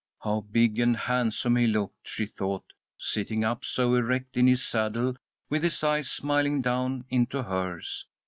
How big and handsome he looked, she thought, sitting up so erect in his saddle, with his eyes smiling down into hers.